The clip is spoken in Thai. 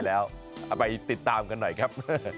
เอาไปติดตามกันหน่อยครับ